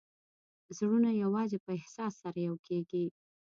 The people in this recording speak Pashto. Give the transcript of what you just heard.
زړونه یوازې په احساس سره یو کېږي.